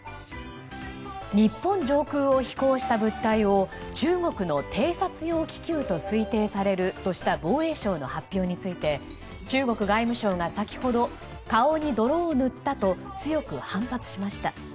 日本上空を飛行した物体を中国の偵察用気球と推定されるとした防衛省の発表について中国外務省が先ほど顔に泥を塗ったと強く反発しました。